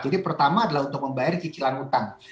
jadi pertama adalah untuk membayar cicilan utang